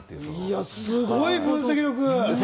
すごい分析力！